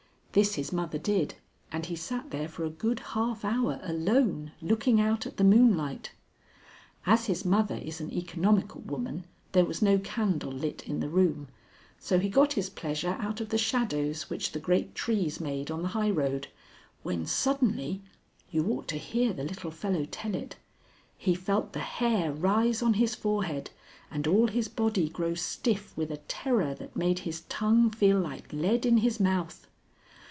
This his mother did, and he sat there for a good half hour alone, looking out at the moonlight. As his mother is an economical woman there was no candle lit in the room, so he got his pleasure out of the shadows which the great trees made on the highroad, when suddenly you ought to hear the little fellow tell it he felt the hair rise on his forehead and all his body grow stiff with a terror that made his tongue feel like lead in his mouth.